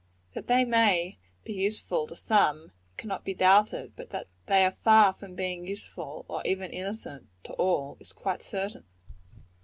That they may be useful to many, cannot be doubted; but that they are far from being useful, or even innocent, to all, is quite as certain.